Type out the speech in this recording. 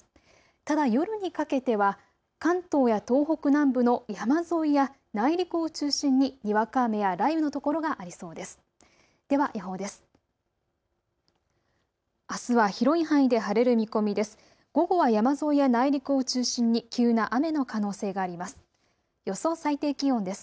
ただ夜にかけては関東や東北南部の山沿いや内陸を中心ににわか雨や雷雨の所がありそうです。